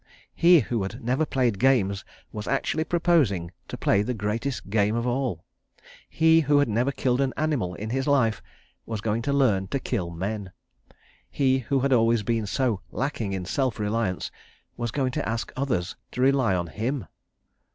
... He who had never played games was actually proposing to play the greatest Game of all: he who had never killed an animal in his life was going to learn to kill men: he who had always been so lacking in self reliance was going to ask others to rely on him!